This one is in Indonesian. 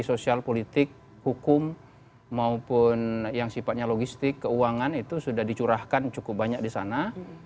dan yang sosial politik hukum maupun yang sifatnya logistik keuangan itu sudah dicurahkan cukup banyak di sana